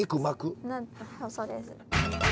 そうです。